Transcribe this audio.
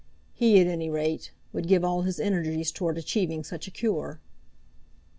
He, at any rate, would give all his energies towards achieving such a cure.